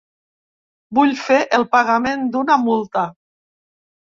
Vull fer el pagament d'una multa.